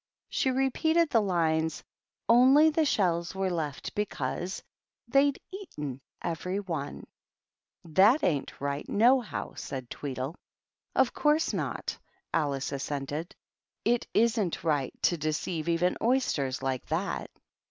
She repeated the lines: 280 THE TWEEDLES. " Only the shells were lefty because Thefifd eaten every oneP^ "That ain't right, nohow," said Tweedle. " Of course not," Alice assented. " It isn't rig to deceive even oysters, like that."